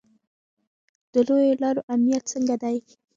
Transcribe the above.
د لویو لارو امنیت څنګه دی؟